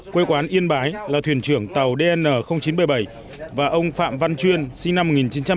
quê quán yên bái là thuyền trưởng tàu dn chín trăm bảy mươi bảy và ông phạm văn chuyên sinh năm một nghìn chín trăm tám mươi